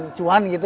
ya kenapa gak gitu